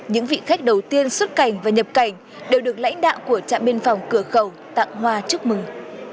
những vị khách đầu tiên xuất cảnh và nhập cảnh đều được lãnh đạo của trạm biên phòng cửa khẩu tặng hoa chúc mừng